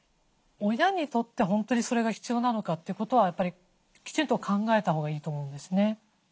親にとって本当にそれが必要なのかということはやっぱりきちんと考えたほうがいいと思うんですね。